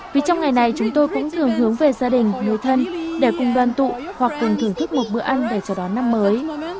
vì trong ngày này chúng tôi cũng thường hướng về gia đình người thân để cùng đoàn tụ hoặc cần thưởng thức một bữa ăn để chào đón năm mới